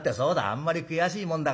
あんまり悔しいもんだからよ